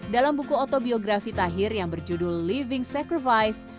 dalam buku otobiografi tahir yang berjudul living sacrifice